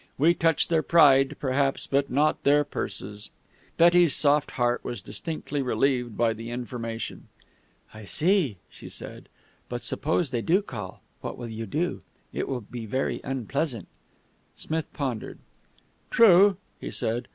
We touch their pride, perhaps, but not their purses." Betty's soft heart was distinctly relieved by the information. "I see," she said. "But suppose they do call, what will you do? It will be very unpleasant." Smith pondered. "True," he said.